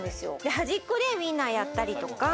端っこでウインナーやったりとか。